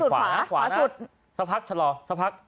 สักพักชะลอสักพัก